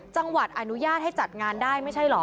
อนุญาตให้จัดงานได้ไม่ใช่เหรอ